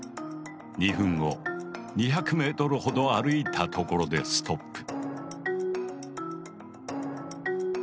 ２分後２００ｍほど歩いたところでストップ。